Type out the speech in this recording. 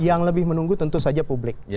yang lebih menunggu tentu saja publik